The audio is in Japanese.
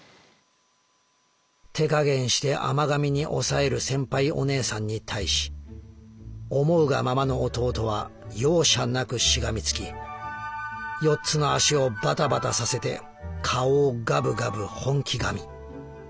「手加減して甘噛みに抑えるセンパイお姉さんに対し思うがままの弟は容赦なくしがみつき４つの脚をバタバタさせて顔をガブガブ本気噛み。